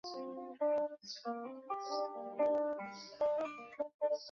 而位于中国与印度的美军也不受到东南亚战区总司令指挥。